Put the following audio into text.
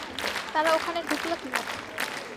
তারা ওখানে ঢুকলো কীভাবে?